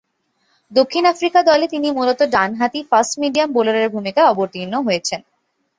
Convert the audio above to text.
দক্ষিণ আফ্রিকা দলে তিনি মূলত ডানহাতি ফাস্ট-মিডিয়াম বোলারের ভূমিকায় অবতীর্ণ হয়েছেন।